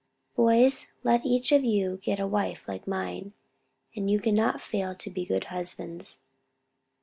"Boys, let each of you get a wife like mine, and you can not fail to be good husbands."